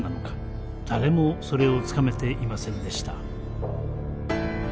誰もそれをつかめていませんでした。